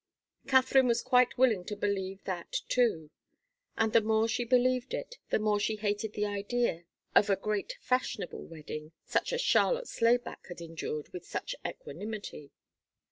Katharine was quite willing to believe that, too. And the more she believed it, the more she hated the idea of a great fashionable wedding, such as Charlotte Slayback had endured with much equanimity.